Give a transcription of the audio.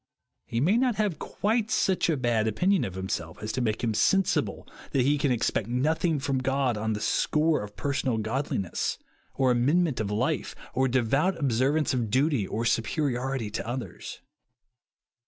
He may not have quite »ucli a haj opinion of himself as to make him sensible that iie can expect nothing from God on the score of personal goodness, or amend ment of life, or devout observance of duty, or superiority to others.